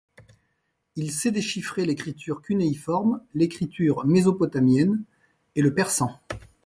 Il sait déchiffrer l'écriture cunéiforme, l'écriture mésopotamienne, et le persan.